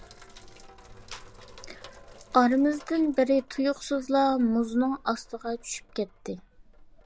ئارىمىزدىن بىرى تۇيۇقسىزلا مۇزنىڭ ئاستىغا چۈشۈپ كەتتى.